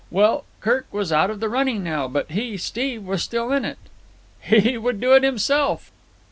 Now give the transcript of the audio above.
Well, Kirk was out of the running now, but he, Steve, was still in it. He would do it himself.